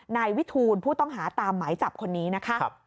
นายวิทูลผู้ต้องหาตามหมายจับคนนี้นะคะ